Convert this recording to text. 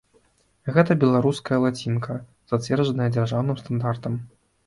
Гэта беларуская лацінка, зацверджаная дзяржаўным стандартам.